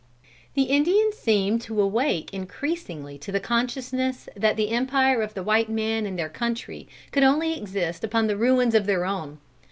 The Indians seemed to awake increasingly to the consciousness that the empire of the white man in their country could only exist upon the ruins of their own.